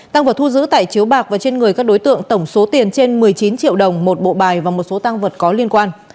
tăng vật thu giữ tại chiếu bạc và trên người các đối tượng tổng số tiền trên một mươi chín triệu đồng một bộ bài và một số tăng vật có liên quan